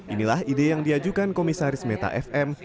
inilah ide yang diajukan komisaris meta fm